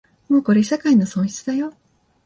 もうこれ世界の損失だよ